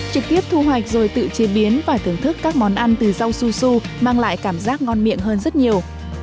trực tiếp thu hoạch rồi tự chế biến và thưởng thức các món ăn từ rau su su mang lại cảm giác ngon miệng hơn rất nhiều